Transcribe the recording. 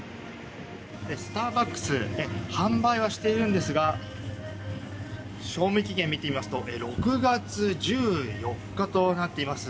スターバックス販売はしているんですが賞味期限を見てみますと６月１４日となっています。